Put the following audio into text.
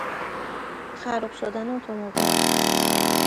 خراب شدن اتومبیل